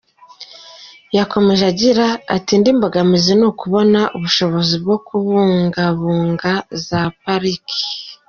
Yakomeje agira ati “Indi mbogamizi ni ukubona ubushobozi bwo kubungabunga za pariki.